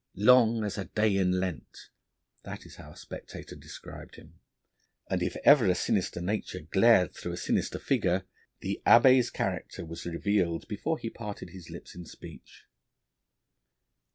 'Long as a day in Lent' that is how a spectator described him; and if ever a sinister nature glared through a sinister figure, the Abbé's character was revealed before he parted his lips in speech.